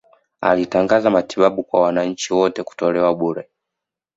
Alitangaza matibabu kwa wananchi wote kutolewa bure